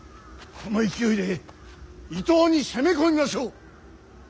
この勢いで伊東に攻め込みましょう。